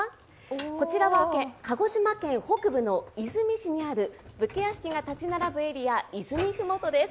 こちらは鹿児島県北部の出水市にある武家屋敷が立ち並ぶエリア、出水麓です。